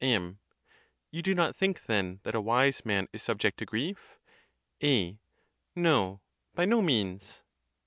M. You do not think, then, that a wise man is subject to grief ? A, No, by no means.